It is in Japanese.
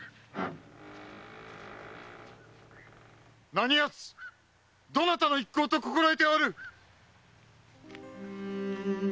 何やつ⁉どなたの一行と心得ておる？